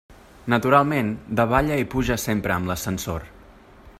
Naturalment davalla i puja sempre amb l'ascensor.